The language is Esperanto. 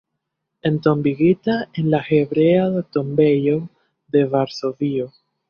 Entombigita en la Hebrea tombejo de Varsovio.